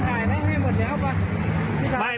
อันนี้ผมถ่ายรถ